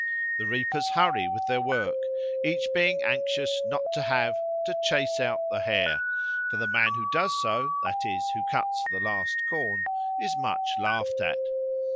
The reapers hurry with their work, each being anxious not to have "to chase out the Hare"; for the man who does so, that is, who cuts the last corn, is much laughed at.